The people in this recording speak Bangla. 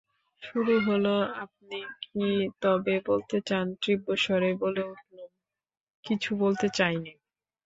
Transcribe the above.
শুরু হল–আপনি কি তবে বলতে চান–তীব্রস্বরে বলে উঠলুম–কিছু বলতে চাই নে।